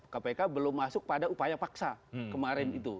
kpk belum masuk pada upaya paksa kemarin itu